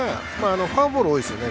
フォアボール多いですよね